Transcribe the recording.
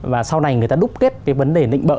và sau này người ta đúc kết cái vấn đề nịnh bỡ